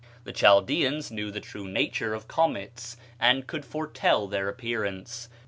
The Chaldeans knew the true nature of comets, and could foretell their reappearance.